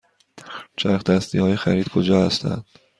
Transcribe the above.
چرخ دستی های خرید کجا هستند؟